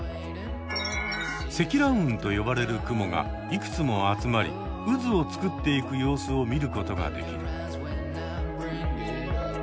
積乱雲と呼ばれる雲がいくつも集まり渦を作っていく様子を見ることができる。